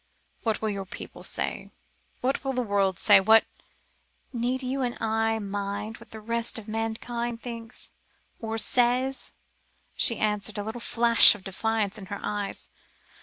What will your people say? What will the world say? What " "Need you and I mind what the rest of mankind thinks, or says?" she answered, a little flash of defiance in her eyes.